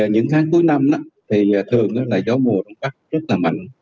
những tháng cuối năm thì thường là gió mùa đông bắc rất là mạnh